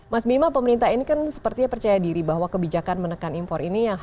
mas bima pemerintah ini kan sepertinya percaya diri bahwa kebijakan menekan impor ini